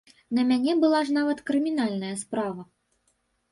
На мяне была ж нават крымінальная справа!